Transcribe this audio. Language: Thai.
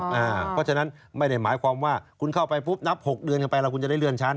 เพราะฉะนั้นไม่ได้หมายความว่าคุณเข้าไปปุ๊บนับ๖เดือนเข้าไปแล้วคุณจะได้เลื่อนชั้น